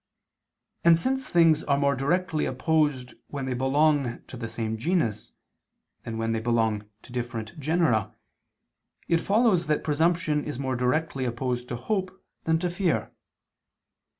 And since things are more directly opposed when they belong to the same genus, than when they belong to different genera, it follows that presumption is more directly opposed to hope than to fear.